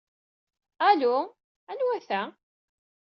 Alu, anwa ta?